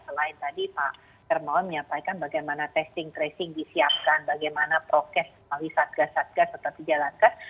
selain tadi pak hermawan menyampaikan bagaimana testing tracing disiapkan bagaimana prokes melalui satgas satgas tetap dijalankan